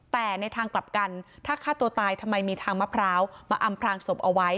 แต่ในทางกลับกันถ้าฆ่าตัวตายทำไมมีทางมะพร้าวมาอำพลางศพเอาไว้